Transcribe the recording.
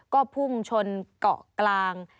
ก็พุ่งชนเกาะกลาง